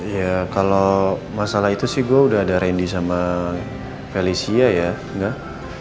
ya kalau masalah itu sih gue udah ada randy sama felicia ya enggak